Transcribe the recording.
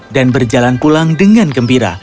dan berjalan pulang dengan gembira